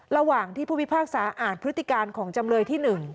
ระหว่างที่ผู้พิพากษาอ่านพฤติการของจำเลยที่๑